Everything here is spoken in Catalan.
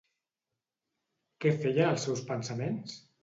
Què feien els seus pensaments?